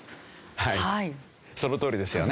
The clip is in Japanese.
はいそのとおりですよね。